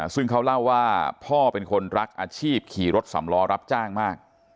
ซึ่งเขาเล่าว่าพ่อเป็นคนรักอาชีพขี่รถสำล้อรับจ้างมาก